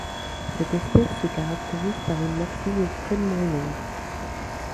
Cette espèce se caractérise par une maxille extrêmement longue.